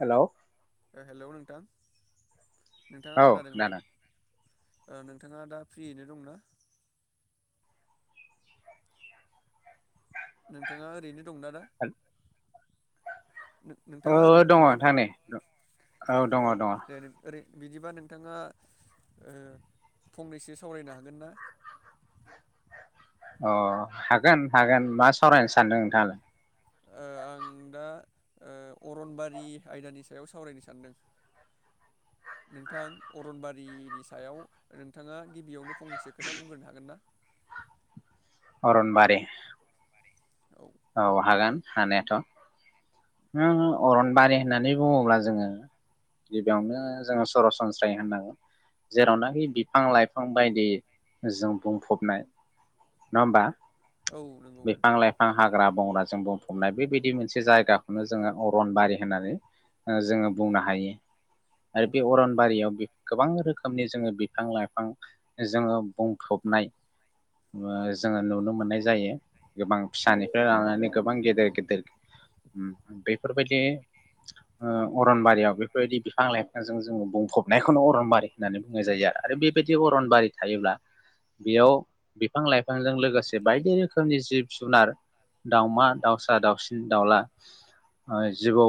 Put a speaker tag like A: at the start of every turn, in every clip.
A: हेल'
B: hello नोंथां।
A: औ
B: नोंथाङा खोनादोंना? ओ नोंथाङा दा फ्रियैनो दंना? नोंथाङा ओरैनो दंना दा?
A: खोनादों औ
B: नोंथाङा ओरैनो
A: दङ
B: दंना दा
A: नोंथांनि औ दङ दङ।
B: दे ओरै बिदिबा नोंथाङा फंनैसो सावरायनो हागोनना।
A: अ हागोन हागोन मा सावरायनो सानदों नोंथाङालाय।
B: आं दा अरनबारि आयदानि सायाव सावरायनो सानदों नोंथां अरनबारिनि सायाव नोंथाङा गिबियावनो फंनैसो खोथा बुंग्रोनो हागोना।
A: अरन बारि
B: औ
A: औ हागोन हानायाथ' ओङ अरनबारि होननानै बुंङोब्ला जोंङो गिबियावनो जोंङो सरासनस्रायै होननांगोन जेरावनाखि बिफां लाइफां बायदि जों बुंफबनाय नंङा होमबा
B: औ नोंगौ नोंथां
A: आबावनाजों बुंफबनाय बिबायदि मोनसे जायगाखौनो जोंङो ओ अरनबारि होननानै ओ जोंङो बुंनो हायो
B: औ
A: आरो बे
B: नंगौ
A: अरनबारियाव
B: नोंथां
A: बि गोबां रोखोम रोखोमनि जोंङो बिफां लाइफां जोंङो बुंफबनाय ओ जोंङो नुनो मोननाय जायो गोबां
B: औ
A: फिसानिफ्राय लानानै गोबां गेदेर गेदेर बेफोरबायदि ओ अरनबारियाव बेफोरबायदि बिफां लाइफांजों जोंङो बुंफबनायखौनो अरनबारि होननानै बुंनाय जायो आरो बेबायदि अरनबारि थायोब्ला बेयाव बिफां लाइफांजों लोगोसे बायदि रोखोमनि जिब जुनार दाउमा दाउसा दाउसिन दाउला ओ जिबौ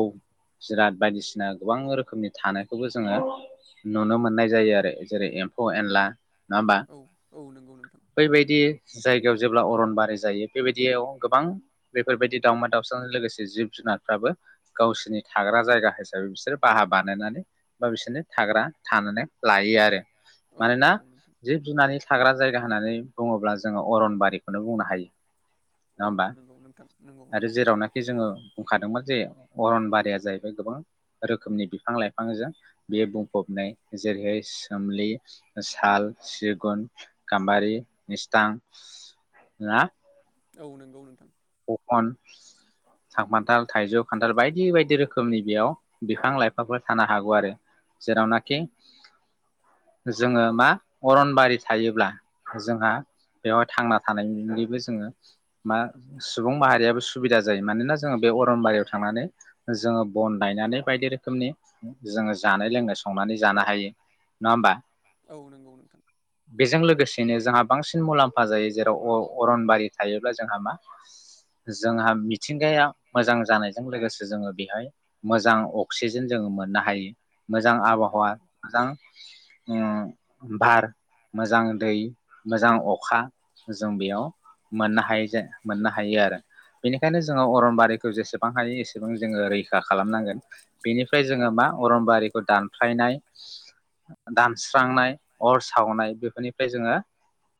A: जिराद बायदिसिना गोबां रोखोमनि थानायखौबो जोंङो नुनो मोननाय जायो आरो जै एमफौ एनला नंङा होमबा
B: औ औ नंगौ नोंथां
A: बैबादि जायगायाव जेब्ला अरन बारि जायो बेबायदियाव गोबां बेफोरबायदि दावमा दाउसाज लोगोसे जिब जुनारफ्राबो गावसिनि थाग्रा जायगा हिसाबै बिसोरो बाहा बानायनानै बा बिसोनो थाग्रा थानानै लायो आरो
B: औ
A: मानोना
B: नंगौ नोंथां
A: जिब जुनारनि थाग्रा जायग होननानै बुंङोब्ला जोंङो अरनबारिखौनो बुंनो हायो
B: औ
A: नंङा होमबा
B: नंगौ नोंथां नंगौ
A: आरो
B: नोंथां
A: जेरावनाखि जोंङो बुंखादोंमोन जे अरनबारिया जाहैबाय गोबां रोखोमनि बिफां लाइफांजों बियो बुंफबनाय जेरैहाय सोमलि साल सिगुन गाम्बारि मिस्थां ना
B: औ नोंगौ नोंथां
A: अखन सांमान्थाल थाइजौ खान्थाल बायदि बायदि रोखोमनि बेयाव बिफां लाइफांफोर थानो हागौ आरो जेरावनाखि जोंङो मा अरनबारि थायोब्ला जोंहा बेवहाय थांना थानायनिनिबो जोंङो मा सुबुं माहारियाबो सुबिदा जायो मानोना जोंङो बे अरनबारियाव थांनानै जोंङो बन लायनानै बायदि रोखोमनि जोंङो जानाय लोंनाय संनानै जानो हायो नंङा होमबा
B: औ नंगौ नोंथां
A: बेजों लोगोसे बिनो जोंहा बांसिन मुलाम्फा जायो जेराव अ अरनबारि थायोब्ला जोंहा मा जोंहा मिथिंगाया मोजां जानायजों लोगोसे जोंङो बिहाय मोजां अक्सिजेन जोंङो मोननो हायो मोजां
B: औ नंगौ
A: आबहावा मोजां ओम बार मोजां दै मोजां अखा जों बेयाव मोननो हायो जे मोननो हायो आरो बिनिखायनो जोंङो अरनबारिखौ जेसेबां हायो एसेबां जोंङो रैखा खालामनांगोन बिनिफ्राय जोंङो मा अरनबारिखौ दानफ्लायनाय दानस्र स्रांनाय अर सावनाय बेफोरनिफ्राय जोंङो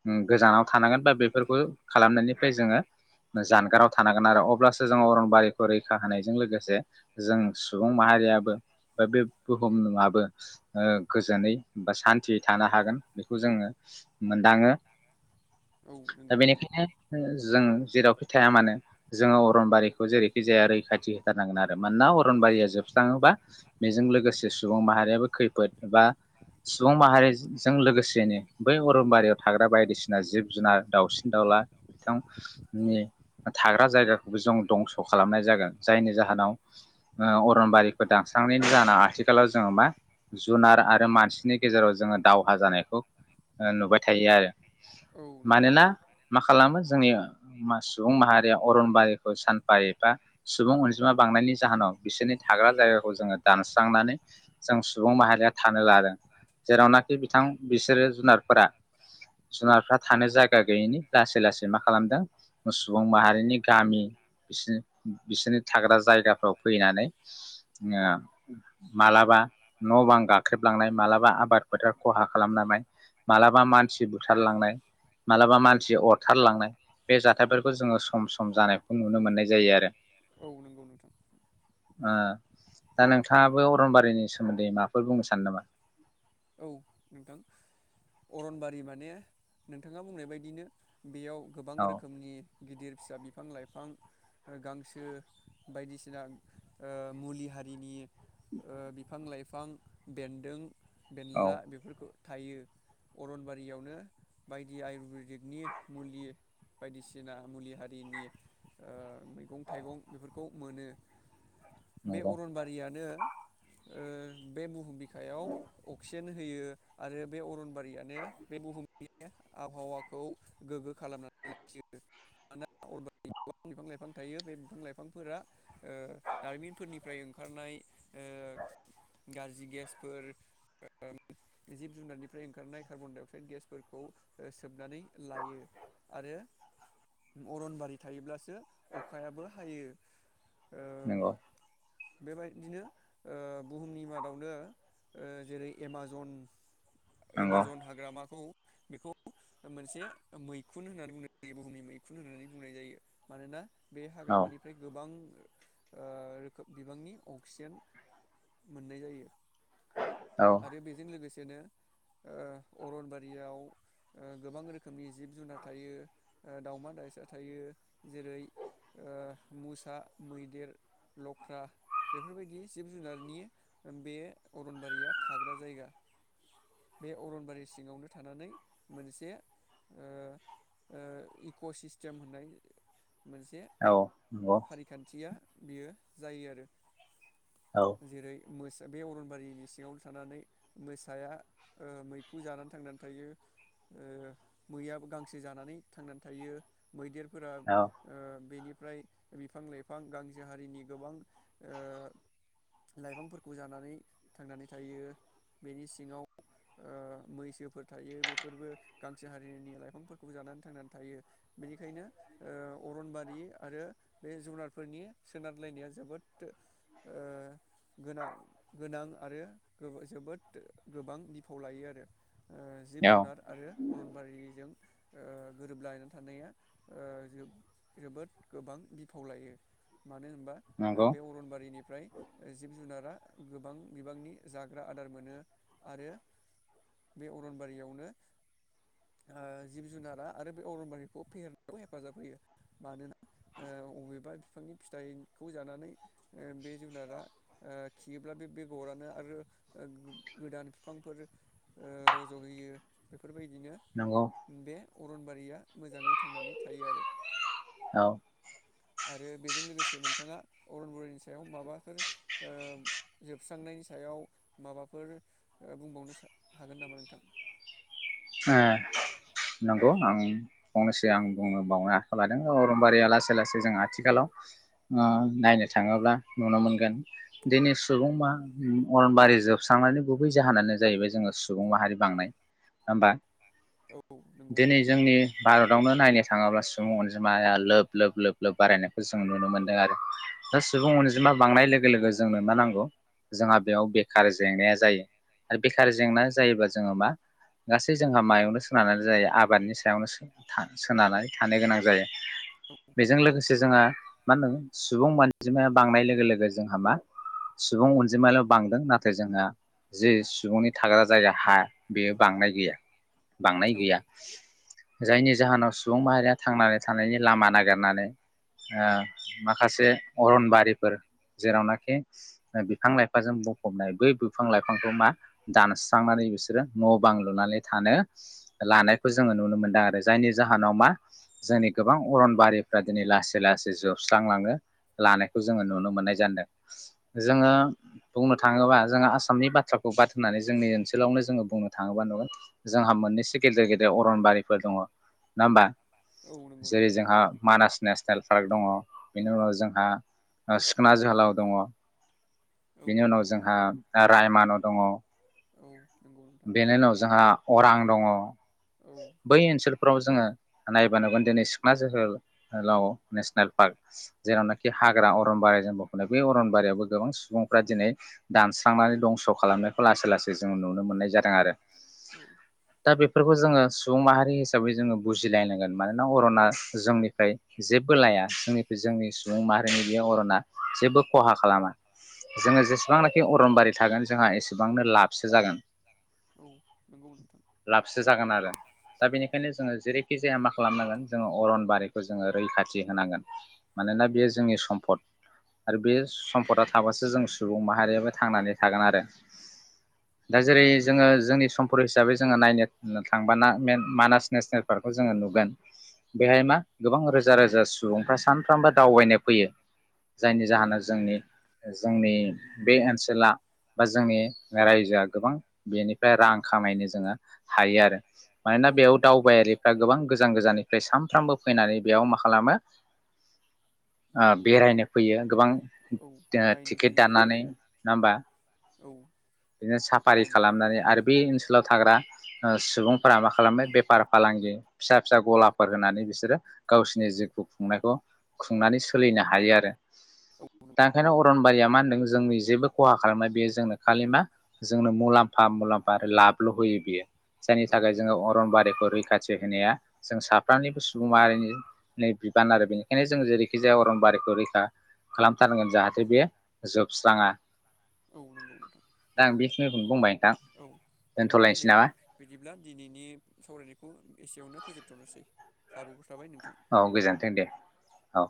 A: ओं गोजानाव थानांगोन बा बेफोरखौ खालामनायनिफ्राय जोंङो जानगाराव थानांगोन आरो अब्लासो जों अरनबारिखौ रैखा होनायजों लोगोसे जों सुबुं माहारियाबो ब बे बुहुमाबो ओ गोजोनै ओ सान्ति थानो हागोन बेखौ जोंङो मोनदांङो
B: औ
A: दा
B: नंगौ नोंथां
A: बेनिखायनो जों जेेरावखि थाया मानो जोंङो अरनबारिखौ जेरैखि जाया रैखाथि होथारनांगोन आरो मानोना अरनबारिया जोबस्रांङोबा बेजों लोगोसे सुबुं माहारियाबो खैफोद बा सुबुं माहारिजों लोगोसेनो बै अरनबारियाव थाग्रा बायदिसिना जिब जुनार दाउसिन दाउला थां नि थाग्रा जायगाखौबो जों दंस' खालामनाय जागोन जायनि जाहोनाव ओ अरनबारिखौ दानस्रांनायनि जाहोनाव आथिखालाव जोंङो मा जुनार आरो मानसिनि गेजेराव जोंङो दावहा जानायखौ ओ नुबाय थायो आरो।
B: औ नंगौ
A: मानोना
B: नोंथां
A: मा खालामो जोंनिआ मा सुबुं माहारिया अरनबारिखौ सानफा एफा सुबुं अनजिमा बांनायनि जाहोनाव बिसोरनि थाग्रा जायगाखौ जोंङो दानस्रांनानै जों सुबुं माहारिया थानो लादों जेरावनाखि बिथां बिसोरो जुनारफोरा जुनारफ्रा थानो जायगा गैयिनि लासै लासै मा खालामदों सुबुं माहारिनि गामि बिसि बिसोरनि थाग्रा जायगाफ्राव फैनानै ओ मालाब बा न' बां गाख्रेबलांनाय मालाबा आबाद फोथार खहा खालामलांनाय मालाबा मानसि बुथारलांनाय मालाबा मानसि अरथारलांनाय जाथायफोरखौ जोङो सम सम जानायखौ नुनो मोननाय जायो आरो।
B: औ नंगौ नोंथां
A: ओ दा नोंथाङाबो अरनबारिनि सोमोन्दै माबाफोर बुंनो सानो नामा?
B: औ नोंथां अरनबारि माने नोंथाङा बुंनाय बायदिनो बेयाव गोबां
A: औ
B: रोखोमनि गिदिर फिसा बिफां लाइफां गांसो बायदिसिना ओ मुलि हारिनि ओ बिफां लाइफ फां बेनदों बेनला
A: औ
B: बेफोरखौ थायो अरनबारियावनो बायदि आयुरवेदिकनि मुलि बायदिसिना मुलि हारिनि ओ मैगं थाइगं बेफोरखौ मोनो। बे
A: नंगौ
B: अरनबारियानो ओ बे बुहुम बिखायाव अक्सिजेन होयो आरो बे अरनबारियानो बे बुहुमनि आबहावाखौ गोगो खालामनानै लाखियो मानोना अरनबारि गोबां बिफां लाइफां थायो बे बिफां लाइफांफोरा ओ दारिमिनफोरनिफ्राय ओंखारनाय ओ गाज्रि गेसफोर जिब जुनारनिफ्राय ओंखारनाय कार्बन डाइ अक्साइड गेसफोरखौ सोबनानै लायो आरो अरनबारि थायोब्लास सो अखायाबो हायो। ओ
A: नंगौ
B: बेबायदिनो ओ बुहुमनि मादावनो ओ जेरै- एमाजन
A: नंगौ
B: एमाजन हाग्रामाखौ बेखौ मोनसे मैखुन होननानै बुंनाय जायो बुहुमनि मैखुन होननानै बुंनाय जायो। मानोना बे
A: औ
B: हाग्रामानिफ्राय गोबां ओ रोखोम बिबांनि अक्सिजेन मोननाय जायो।
A: औ
B: आरो बेजों लोगोसे सेनो ओ अरनबारियाव ओ गोबां रोखोमनि जिब जुनार थायो ओ दावमा दाउसा थायो जेरै- ओ मुसा मैदेर लख्रा बेफोरबायदि जिब जुनारनि बे अरनबारिया थाग्रा जायगा बे अरनबारि सिङावनो थानानै मोनसे ओ ओ इक' सिस्टेम होननाय मोनसे
A: नंगौ
B: फारिखानथिया बेयो जायो आरो।
A: औ
B: जेरै- मोसा बे अरनबारिनि सिङाव थानानै मोसाया ओ मैखौ जानानै थांनानै थायो ओ मैयाबो गांसो जानानै थांनानै थायो। मैदेरफोरा
A: औ
B: ओ बेनि फ्राय बिफां लाइफां गांसो हारिनि गोबां ओ लाइफांफोरखौ जानानै थांनानै थायो बेनि सिङाव ओ मैसोफोर थायो बेफोरबो गांसो हारिनि लाइफांफोरखौ जानानै थांनानै थायो बेनिखायनो ओ अरनबारि आरो बे जुनारफोरनि सोनारलायनाया जोबोद ओ गोनां गोनां आरो जोबोद गोबां बिफाव लायो आरो ओ जिब जुनार आरो अरनबारिजों ओ गोरोबलायनानै थानाया ओ जोबोद गोबां बिफाव लायो मानो होनबा ओ
A: नंगौ
B: बे अरनबारिनि फ्राय जिब जुनारा गोबां बिबांनि जाग्रा आदार मोनो आरो बे अरनबारियावनो ओ जिब जुनारा आरो बे अरनबारिखौ फेहेरनायाव हेफाजाब होयो मानोना ओ अबेबा बिफांनि फिथाइखौ जानानै ओ बे जुनारा ओ खियोब्ला बे बेगरानो आरो ओ गोदान बिफांफोर ओ रज'होयो बेफोरबायदिनो
A: नंगौ
B: बे अरनबारिया मोजाङै थांनानै थायो आरो
A: औ ओ
B: आरो बेजों लोगोसे नोंथाङा अरन बरिनि सायाव माबाफोर ओ जोबस्रांनायनि सायाव माबाफोर ओ बुंबावनो हागोन नामा नोंथां?
A: ओ नंगौ आं फंनैसो आं बुंनो बावनो आखायाव लादों। ओ अरनबारिया लासै लासै जों आथिखालाव ओ नायनो थाङोब्ला नुनो मोनगोन दिनै सुबुंमा ओम अरनबारि जोबस्रांनायनि गुबै जाहोनानो जाहैबाय जोङो सुबुं माहारि बांनाय। होमबा
B: औ नंगौ
A: दिनै
B: नोंथां
A: जोंनि भारतावनो नायनो थाङोब्ला सुबुं अनजिमाया लोब लोब लोब लोब बारायनायखौ जों नुनो मोनदों आरो। दा सुबुं अनजिमा बांनाय लोगो लोगो जोंनो मा नांगौ जोंहा बेयाव बेखार जेंनाया जायो आरो बेखार जेंनाया जायोबा जोङो मा गासै जोंहा मायावनो सोनारनानै जायो आबादनि सायावनो सो था सोनारनानै थानो गोनां जायो। बेजों लोगोसे जोङो मा होनो सुबुं अजिमाया बांनाय लोगो लोगो जोंहा मा सुबुं अनजिमाल' बांदों नाथाय जोंहा जि सुबुंनि थाग्रा जायगा हा बांनाय गैया बांनाय गैया
B: औ
A: जायनि जाहोनाव सुबुं माहारिया थांनानै थानायनि लामा नागिरनानै ओ माखासे अरनबारिफोर जेरावनाखि बिफां लाइफांजों बुंफबनाय बै बिफां लाइफांखौ मा दानस्रांनानै बिसोरो न' बां लुनानै थानो लानायखौ जोङो नुनो मोनदों आरो जायनि जाहोनाव मा जोंनि गोबां अरनबारिफ्रा दिनै लासै लासै जोबस्रांलांनो लानायखौ जोङो नुनो मोननायजादों। जोङो बुंनो थाङोबा जोङो आसामनि बाथ्राखौ बाद होननानै जोंनि ओनसोलावनो जोङो बुंनो थाङोबा नुगोन जोंहा मोननैसो गेदेर गेदेर अरनबारिफोर दङ नङा होमबा?
B: औ नंगौ
A: जेरै-
B: नोंथां
A: जोंहा मानास नेसनेल पार्क दङ बेनि उनाव जों ओ सिखना जोहोलाव दङ
B: औ
A: बेनि उनाव जोंहा आ रायमान' दङ
B: औ नंगौ नोंथां
A: बेनि उनाव जोंहा अरां दङ
B: औ
A: बै ओनसोलफ्राव जोङो नायबा नुगोन दिनै सिख्ला जोहोलाव नेसनेल पार्क जेरावनाखि हाग्रा अरनबारि जों बुंफबनाय बे अरनबारियावबो गोबां सुबुंफ्रा दिनै दानस्रांनानै दंस' खालामनायखौ लासै लासै जों नुनो मोननाय ज आरो।
B: औ
A: दा बेफोरखौ जोङो सुबुं माहारि हिसाबै जोङो बुजिलायनांगोन। मानोना अरना जोंनिफ्राय जेबो लाया जों जोंनि सुबुं माहारिनि बे अरना जेबो खहा खालामा। जोङो जेसेबांनाखि अरनबारि थागोन जोंहा एसेबांनो लाबसो जागोन
B: औ नंगौ नोंथां
A: लाबसो जागोन आरो। दा बेनिखायनो जोङो जेरैखि जाया मा खालामनांगोन जोङो अरनबारिखौ जोङो रैखाथि होनांगोन मानोना बेयो जोंनि सम्पद आरो बे सम्पदा थाबासो जों सुबुं माहारियाबो थांनानै थागोन आरो। दा जेरै
B: औ नंगौ
A: जोङो
B: नोंथां
A: जोंनि सम्प हिसाबै जोङो नायनो नो थांबाना मानास नेसनेल पार्कखौ जोङो नुगोन बेहाय मा गोबां रोजा रोजा सुबुंफ्रा सानफ्रामबो दावबायनाय फैयोह जायनि
B: औ
A: जाहोनाव
B: नंगौ
A: जोंनि
B: नोंथां
A: जोंनि बे ओनसोला बा जोंनि रायजोआ गोबां बेनिफ्राय रां खामायनो जोङो हायो आरो। मानोना
B: औ
A: बेयाव
B: नंगौ नोंथां
A: दावबायारिफ्रा गोबां गोजान गोजाननिफ्राय सानफ्रामबो फैनानै बेयाव मा खालामो आ बेरायनो फैयो गोबां
B: औ
A: ओ
B: नायनो
A: टिकेट
B: फैयो
A: दाननानै नङा होमबा
B: औ
A: बिदिनो साफ आरि
B: नायनो फैयो
A: खालामनानै आरो बे ओनसोलाव थाग्रा ओ सुबुंफोरा मा खालामो बेफार फालांगि फिसा फिसा गलाफोर होनानै बिसोरो गावसिनि जिउखौ खुंनायखौ खुंनानै सोलिनो हायो आरो
B: औ
A: दा ओंखायनो अरनबारिया मा होनदों जोंनि जेबो खहा खालामनाय बेयो जोंनो खालि मा जोंनो मुलाम्फा मुलाम्फा आरो लाबल' होयो बियो जायनि
B: औ
A: थाखाय
B: नंगौ
A: जोङो
B: नोंथां
A: अरनबारिखौ रैखाथि बेहोनाया जों साफ्रोमनिबो सुबुं माहारिनि बिबान आरो बेनिखायनो जों जेरैखि जाया अरनबारिखौ रैखा खालामथारनांगोन जाहाथे बे जोबस्राङा
B: औ नंगौ नोंथां
A: दा आं बेखिनिखौनो बुंबाय नोंथां
B: औ नोंथां
A: दोनथ'लायनोसै
B: दे
A: नामा
B: बिदिब्ला दिनैनि सावरायनायखौ एसेयावनो फोजोबथ'नोसै साबायखर थाबाय नोंथां।
A: औ गोजोनथों दे औ